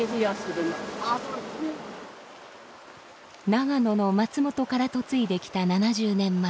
長野の松本から嫁いできた７０年前。